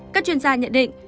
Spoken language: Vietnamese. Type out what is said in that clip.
các chuyên gia nhận định